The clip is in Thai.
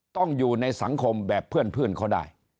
ต้องอยู่ในสังคมแบบเพื่อนเขาได้